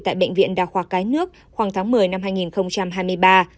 tại bệnh viện đa khoa cái nước khoảng tháng một mươi năm hai nghìn hai mươi ba